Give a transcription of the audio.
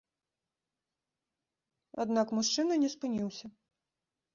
Аднак мужчына не спыніўся.